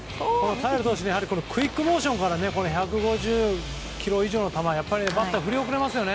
平良投手クイックモーションから１５０キロ以上の球バッターは振り遅れますよね。